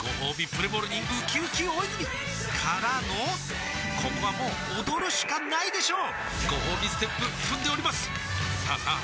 プレモルにうきうき大泉からのここはもう踊るしかないでしょうごほうびステップ踏んでおりますさあさあ